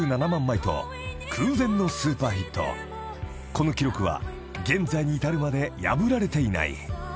［この記録は現在に至るまで破られていない］